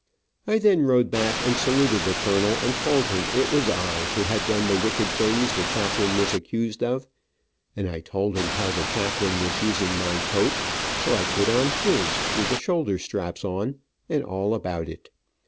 Then I rode back and saluted the colonel and told him it was I who had done the wicked things the chaplain was accused of, and I told him how the chaplain was using my coat, so I put on his, with the shoulder straps on, and all about it.